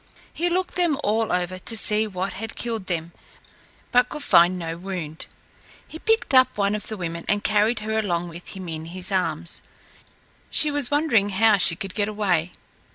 He looked them all over to see what had killed them, but could find no wound. He picked up one of the women and carried her along with him in his arms. She was wondering how she could get away.